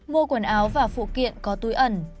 mua quần áo và phụ kiện có túi ẩn